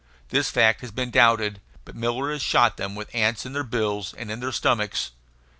This fact has been doubted; but Miller has shot them with the ants in their bills and in their stomachs.